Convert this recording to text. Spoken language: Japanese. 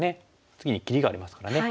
次に切りがありますからね。